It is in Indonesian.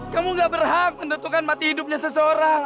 kamu gak berhak menentukan mati hidupnya seseorang